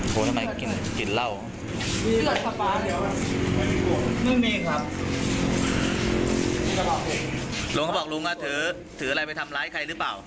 เขาบอกลุงก็ถือถืออะไรไปทำร้ายใครหรือเปล่า